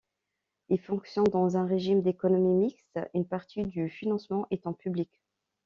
Il fonctionne dans un régime d'économie mixte, une partie du financement étant public.